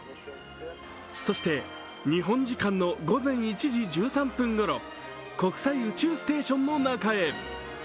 そして、日本時間の午前１時１３分ごろ、国際宇宙ステーションの中へ。